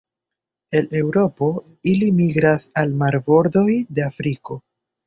El Eŭropo ili migras al marbordoj de Afriko.